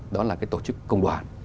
đó là tổ chức công đoàn